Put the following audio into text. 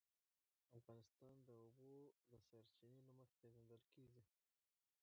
افغانستان د د اوبو سرچینې له مخې پېژندل کېږي.